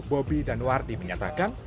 bobi dan wardi menyatakan